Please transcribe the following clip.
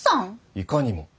いかにも。